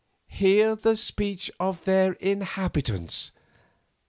"Hear the speech of their inhabitants!